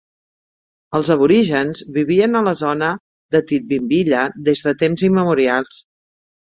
Els aborígens vivien a la zona de Tidbinbilla des de temps immemorials.